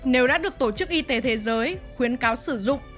nếu đã được tổ chức y tế thế giới khuyến cáo sử dụng